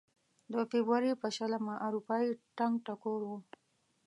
د فبروري په شلمه اروپايي ټنګ ټکور و.